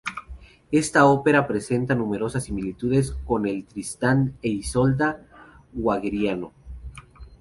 Esta ópera presenta numerosas similitudes con el "Tristán e Isolda" wagneriano.